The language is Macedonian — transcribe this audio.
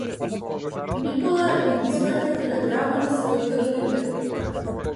Никола им испрати телеграма на своите роднини.